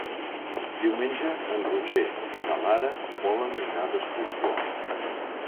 Diumenge en Roger i na Lara volen anar d'excursió.